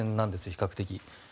比較的。